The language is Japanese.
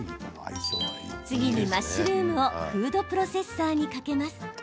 次に、マッシュルームをフードプロセッサーにかけます。